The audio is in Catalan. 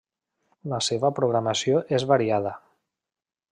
La seva programació és variada.